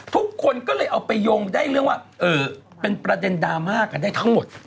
ทุกคนก็เลยเอาไปโยงได้เรื่องว่าเป็นประเด็นดราม่ากันได้ทั้งหมด